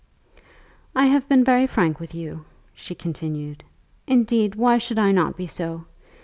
"I have been very frank with you," she continued. "Indeed, why should I not be so?